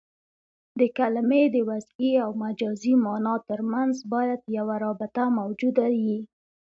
د کلمې د وضعي او مجازي مانا ترمنځ باید یوه رابطه موجوده يي.